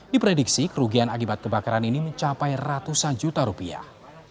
diprediksi kerugian akibat kebakaran ini mencapai ratusan juta rupiah